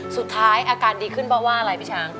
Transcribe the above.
สุดท้ายอาการดีขึ้นเพราะว่าอะไรพี่ช้าง